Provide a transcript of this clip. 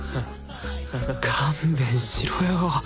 勘弁しろよ。